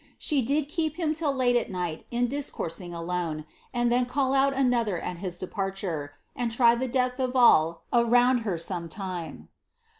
She did keep him till late at night in discoursing then call out another at his departure, and try the depth of ler sometime.